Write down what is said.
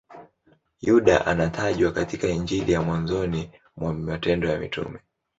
Yuda anatajwa katika Injili na mwanzoni mwa Matendo ya Mitume.